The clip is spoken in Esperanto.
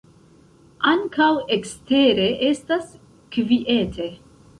Ankaŭ ekstere estas kviete.